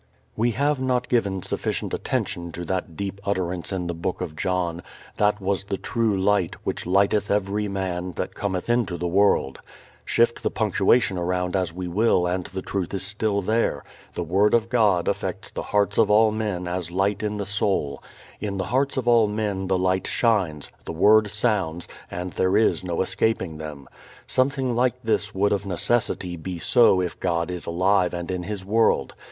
We have not given sufficient attention to that deep utterance in the Book of John, "That was the true Light, which lighteth every man that cometh into the world." Shift the punctuation around as we will and the truth is still there: the Word of God affects the hearts of all men as light in the soul. In the hearts of all men the light shines, the Word sounds, and there is no escaping them. Something like this would of necessity be so if God is alive and in His world.